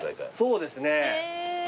そうですね。